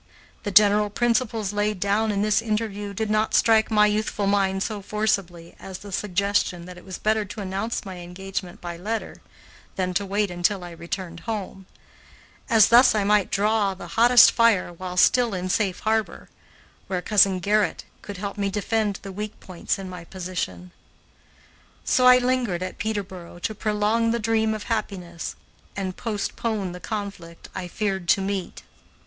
The general principles laid down in this interview did not strike my youthful mind so forcibly as the suggestion that it was better to announce my engagement by letter than to wait until I returned home, as thus I might draw the hottest fire while still in safe harbor, where Cousin Gerrit could help me defend the weak points in my position. So I lingered at Peterboro to prolong the dream of happiness and postpone the conflict I feared to meet.